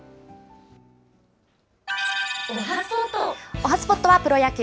おはＳＰＯＴはプロ野球。